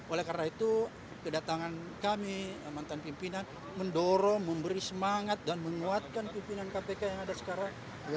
oleh karena itu kedatangan kami mantan pimpinan mendorong memberi semangat dan menguatkan pimpinan kpk yang ada sekarang